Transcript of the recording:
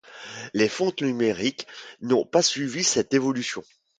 Les fontes numériques n'ont pas suivi cette évolution.